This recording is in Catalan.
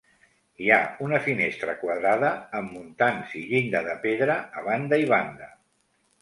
Hi ha una finestra quadrada amb muntants i llinda de pedra a banda i banda.